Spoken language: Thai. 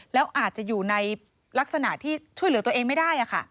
แล้วอาจจะอยู่ในลักษณะที่ช่วยเหลือตัวเองไม่ได้